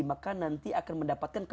maka nanti akan mendapatkan